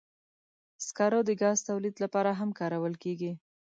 سکاره د ګاز تولید لپاره هم کارول کېږي.